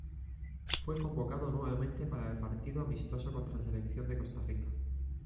Fue convocado nuevamente para el partido amistoso contra la selección de Costa Rica.